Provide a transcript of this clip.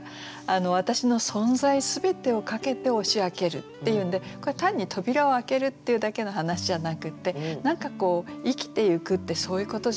わたしの存在全てをかけて押し開けるっていうんでこれ単に扉を開けるっていうだけの話じゃなくて何かこう生きていくってそういうことじゃない？って。